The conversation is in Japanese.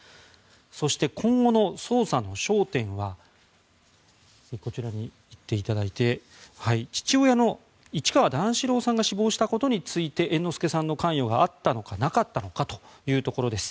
そして、今後の捜査の焦点は父親の市川段四郎さんが死亡したことについて猿之助さんの関与があったのかなかったのかというところです。